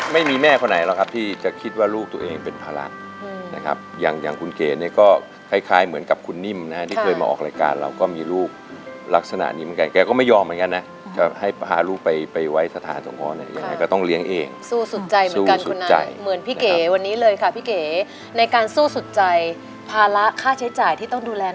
ไม่มีแม่คนไหนหรอกครับที่จะคิดว่าลูกตัวเองเป็นภาระนะครับอย่างอย่างคุณเก๋เนี่ยก็คล้ายเหมือนกับคุณนิ่มนะฮะที่เคยมาออกรายการเราก็มีลูกลักษณะนี้เหมือนกันแกก็ไม่ยอมเหมือนกันนะจะให้พาลูกไปไปไว้สถานสงอเนี่ยยังไงก็ต้องเลี้ยงเองสู้สุดใจเหมือนกันเหมือนพี่เก๋วันนี้เลยค่ะพี่เก๋ในการสู้สุดใจภาระค่าใช้จ่ายที่ต้องดูแล